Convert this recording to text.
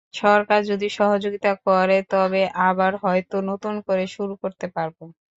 সরকার যদি সহযোগিতা করে, তবে আবার হয়তো নতুন করে শুরু করতে পারব।